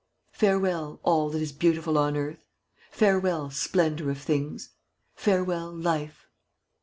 _ Farewell, all that is beautiful on earth! Farewell, splendor of things. Farewell, life!"